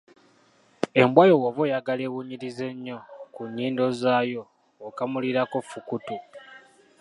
Embwa yo bw’oba oyagala ewunyirize nnyo, ku nnyindo zaayo okamulirako Fukutu.